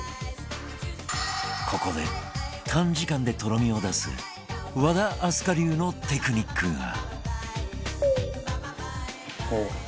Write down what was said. ここで短時間でとろみを出す和田明日香流のテクニックが